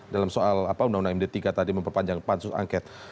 dalam soal undang undang md tiga tadi memperpanjang pansus angket